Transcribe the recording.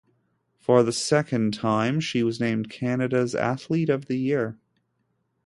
For the second time, she was named Canada's Athlete of the Year.